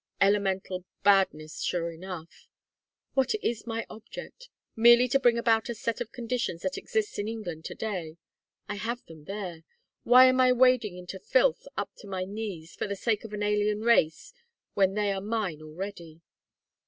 elemental badness, sure enough! What is my object? Merely to bring about a set of conditions that exists in England to day. I have them there. Why am I wading into filth up to my knees, for the sake of an alien race, when they are mine already?"